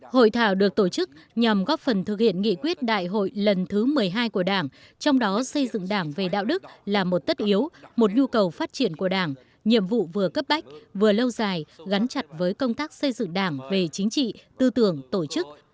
hội thảo được tổ chức nhằm góp phần thực hiện nghị quyết đại hội lần thứ một mươi hai của đảng trong đó xây dựng đảng về đạo đức là một tất yếu một nhu cầu phát triển của đảng nhiệm vụ vừa cấp bách vừa lâu dài gắn chặt với công tác xây dựng đảng về chính trị tư tưởng tổ chức